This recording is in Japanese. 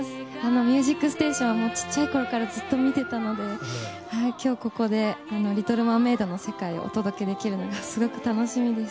「ミュージックステーション」は小さいころからずっと見てたので今日、ここで「リトル・マーメイド」の世界をお届けできるのがすごく楽しみです。